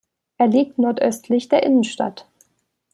Er liegt nordöstlich der Innenstadt.